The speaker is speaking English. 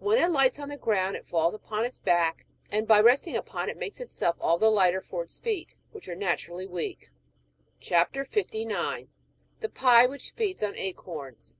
When it lights on the ground it falls upon its beak, and by resting upon it makes itself all the lighter for its feet, which are naturally weak. CHAP. 59. THE PIE WHICH FEEDS ON ACORNS.